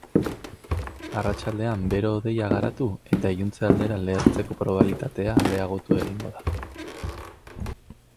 Arratsaldean bero-hodeiak garatu eta iluntze aldera lehertzeko probabilitatea areagotu egingo da.